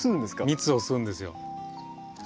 蜜を吸うんですよ。